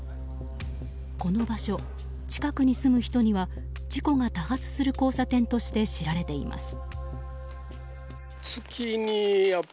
この場所、近くに住む人には事故が多発する交差点として知られています。